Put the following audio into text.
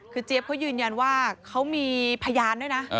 คือเจี๊ยบเขายืนยันว่าเขามีพยานด้วยนะ